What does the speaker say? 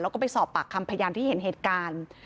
แล้วก็ไปสอบปากคำพยานที่เห็นเหตุการณ์